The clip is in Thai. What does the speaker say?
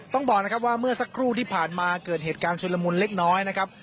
ต้องบอกนะครับว่าเมื่อสักครู่ที่ผ่านมาเกิดเหตุการณ์ชุนละมุนเล็กน้อยนะครับ